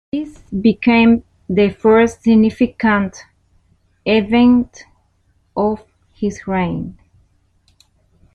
This became the first significant event of his reign.